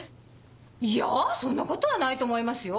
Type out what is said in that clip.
いやそんなことはないと思いますよ。